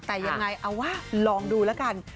แต่ยังไงเอาว่าลองดูแล้วกัน